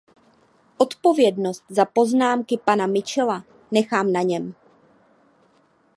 Odpovědnost za poznámky pana Mitchella nechám na něm.